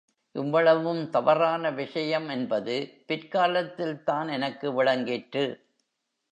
இவ்வளவும் தவறான விஷயம் என்பது பிற்காலத்தில் தான் எனக்கு விளங்கிற்று.